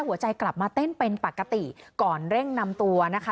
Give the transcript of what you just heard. กลับมาเต้นเป็นปกติก่อนเร่งนำตัวนะคะ